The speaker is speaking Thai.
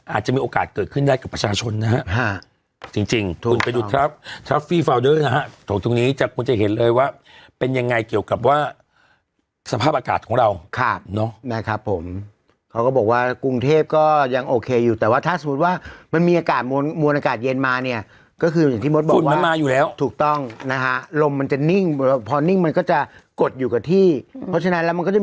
อาจจะมีโอกาสเกิดขึ้นได้กับประชาชนนะฮะค่ะจริงจริงถึง